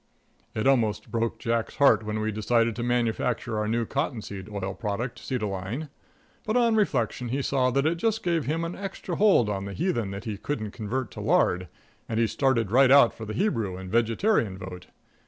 It almost broke Jack's heart when we decided to manufacture our new cottonseed oil product, Seedoiline. But on reflection he saw that it just gave him an extra hold on the heathen that he couldn't convert to lard, and he started right out for the Hebrew and vegetarian vote.